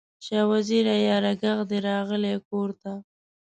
شاه وزیره یاره، ږغ دې راغلی کور ته